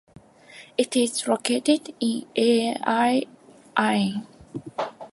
It is located in Al Ain.